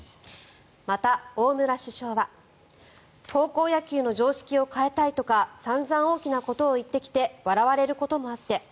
また、大村主将は高校野球の常識を変えたいとか散々大きなことを言ってきて笑われることもあって。